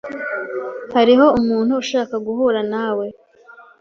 Hariho umuntu ushaka guhura nawe.